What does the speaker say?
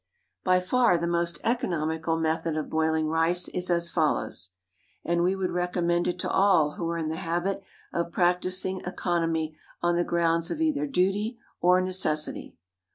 By far the most economical method of boiling rice is as follows; and we would recommend it to all who are in the habit of practising economy on the grounds of either duty or necessity.